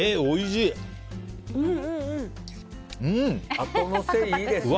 あとのせ、いいですね。